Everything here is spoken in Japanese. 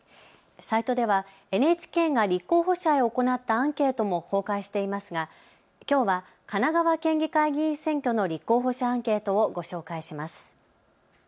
サイトではＮＨＫが立候補者へ行ったアンケートも公開していますがきょうは神奈川県議会議員選挙の立候補者アンケートをご紹介します。